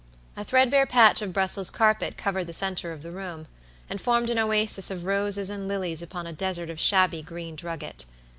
A threadbare patch of Brussels carpet covered the center of the room, and formed an oasis of roses and lilies upon a desert of shabby green drugget.